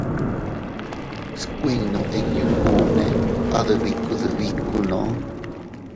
Skuinnu iyukune adbiku dbikunoo.